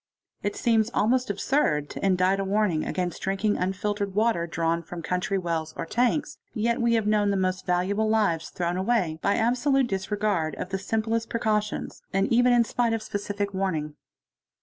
It seems almost absurd to indite a warning against drinking P infiltered water drawn from country wells or tanks, yet we have known ; he most valuable lives thrown away by absolute disregard of the simplest mecautions, and even in spite of specific warning.